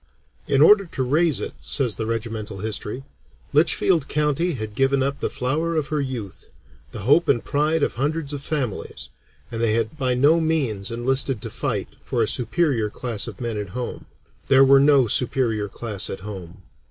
"In order to raise it," says the regimental history, "Litchfield County had given up the flower of her youth, the hope and pride of hundreds of families, and they had by no means enlisted to fight for a superior class of men at home. There was no superior class at home.